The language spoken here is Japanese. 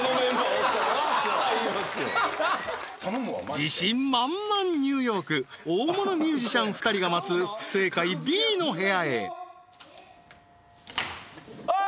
自信満々ニューヨーク大物ミュージシャン２人が待つ不正解Ｂの部屋へああー！